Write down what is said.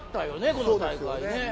この大会。